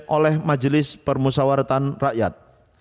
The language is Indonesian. oleh majelis permusawaratan rakyat